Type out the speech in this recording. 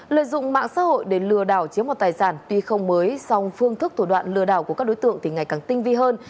lợi dụng mạng xã hội để lừa đảo chiếm một tài sản tuy không mới song phương thức thủ đoạn lừa đảo của các đối tượng thì ngày càng tinh vi hơn